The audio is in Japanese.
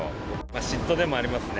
嫉妬でもありますね。